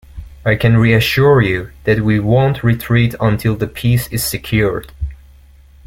I can reassure you, that we won't retreat until the peace is secured.